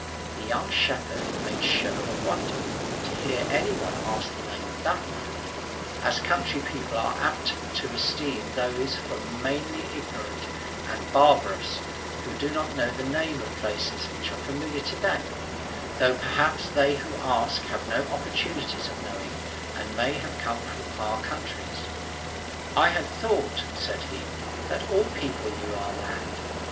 The young shepherd made show of wonder, to hear any one ask the name of that land; as country people are apt to esteem those for mainly ignorant and barbarous who do not know the names of places which are familiar to them, though perhaps they who ask have had no opportunities of knowing, and may have come from far countries. "I had thought," said he, "that all people knew our land.